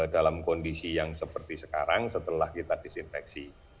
dalam kondisi yang seperti sekarang setelah kita disinfeksi